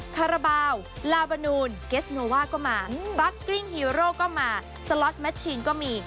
คาราบาลลาบานูนเกสโนว่าก็มาบัคกริ้งฮีโร่ก็มาสล็อตแมชชีนก็มี